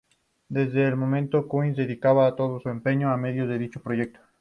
Desde ese momento, Cyrus dedicaría todo su empeño y medios a dicho proyecto.